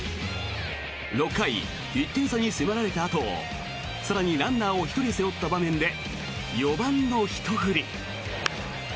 ６回、１点差に迫られたあと更にランナーを１人背負った場面で４番のひと振り。